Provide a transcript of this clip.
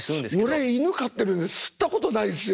俺犬飼ってるんですけど吸ったことないですよ。